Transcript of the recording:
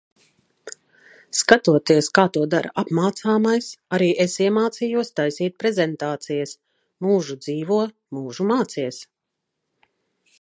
Skatoties, kā to dara apmācāmais, arī es iemācījos taisīt prezentācijas. Mūžu dzīvo, mūžu mācies.